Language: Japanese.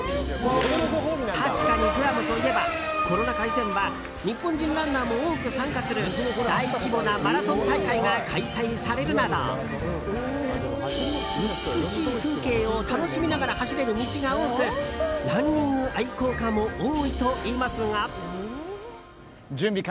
確かにグアムといえばコロナ禍以前は日本人ランナーも多く参加する大規模なマラソン大会が開催されるなど美しい風景を楽しみながら走れる道が多くランニング愛好家も多いといいますが。